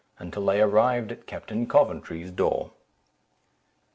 till they arrived at Captain Coventry's door.